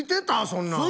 そんなん。